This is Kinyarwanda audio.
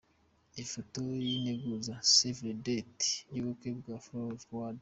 Ifoto y'integuza "Save The Date" ku bukwe bwa Fuade.